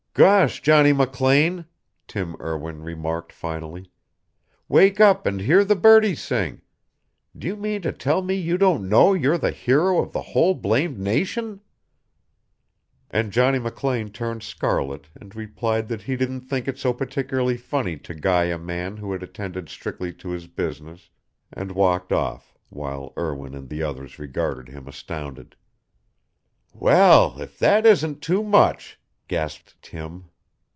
"Gosh, Johnny McLean," Tim Erwin remarked finally, "wake up and hear the birdies sing. Do you mean to tell me you don't know you're the hero of the whole blamed nation?" And Johnny McLean turned scarlet and replied that he didn't think it so particularly funny to guy a man who had attended strictly to his business, and walked off. While Erwin and the others regarded him astounded. "Well, if that isn't too much!" gasped Tim.